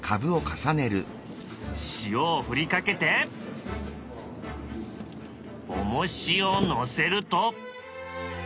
塩を振りかけておもしを載せると。